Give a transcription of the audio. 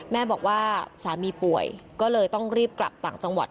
แม่บอกว่าสามีป่วยก็เลยต้องรีบกลับต่างจังหวัด